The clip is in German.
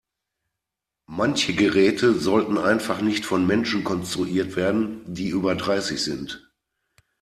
Manche Geräte sollten einfach nicht von Menschen konstruiert werden, die über dreißig sind.